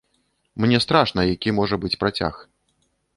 Мне страшна, які можа быць працяг.